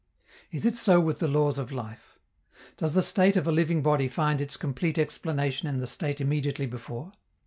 Is it so with the laws of life? Does the state of a living body find its complete explanation in the state immediately before?